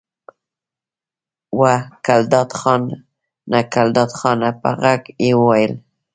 وه ګلداد خانه! ګلداد خانه! په غږ یې وبلل.